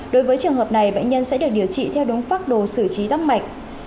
đối với trường hợp này bệnh nhân sẽ được điều trị theo đúng pháp đồ xử trí tóc mạch